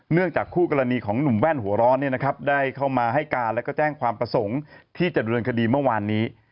จากคู่กรณีของหนุ่มแว่นหัวร้อนได้เข้ามาให้การและก็แจ้งความประสงค์ที่จะเดินคดีเมื่อวานนี้